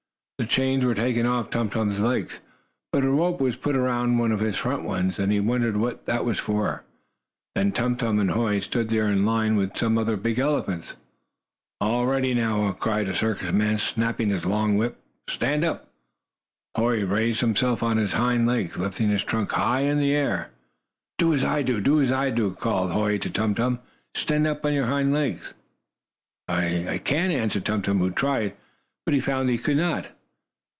The chains were taken off Tum Tum's legs, but a rope was put around his front ones, and he wondered what that was for. Then Tum Tum and Hoy were stood in a line with some other big elephants. "All ready now!" cried a circus man, snapping his long whip. "Stand up!" Hoy raised himself up on his hind legs, lifting his trunk high in the air. "Do as I do! Do as I do!" called Hoy to Tum Tum. "Stand up on your hind legs." "I I can't!" answered Tum Tum, who tried. But he found he could not.